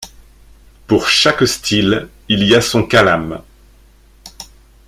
Pour chaque style, il y a son calame.